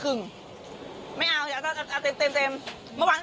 เมื่อวานก็มาถวงอีกแล้วจะเอาทั้งหมดเลย๔เดือน